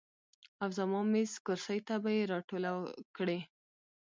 او زما میز، کرسۍ ته به ئې راټولې کړې ـ